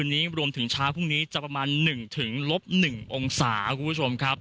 ควรนี้รวมถึงเช้าพรุ่งนี้จะประมาณหนึ่งถึงลบหนึ่งองสาครับคุณผู้ชม